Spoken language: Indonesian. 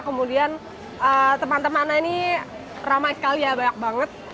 kemudian teman temannya ini ramai sekali ya banyak banget